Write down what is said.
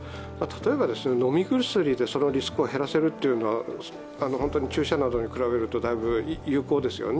飲み薬でそのリスクを減らせるというのは注射などに比べるとだいぶ有効ですよね。